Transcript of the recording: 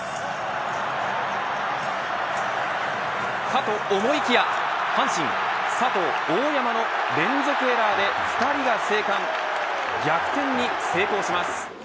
かと思いきや阪神佐藤、大山の連続エラーで２人が生還逆転に成功します。